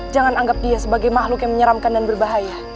jangan anggap dia sebagai makhluk yang menyeramkan dan berbahaya